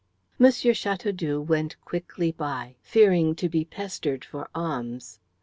M. Chateaudoux went quickly by, fearing to be pestered for alms.